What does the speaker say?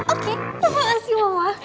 oke makasih mama